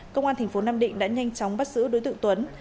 công an tp nam định đã nhanh chóng bắt giữ đối tượng tuấn